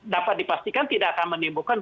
dapat dipastikan tidak akan menimbulkan